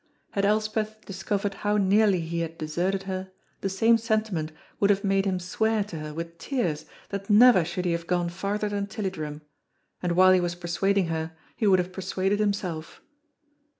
Had Elspeth discovered how nearly he had deserted her, the same sentiment would have made him swear to her with tears that never should he have gone farther than Tilliedrum, and while he was persuading her he would have persuaded himself.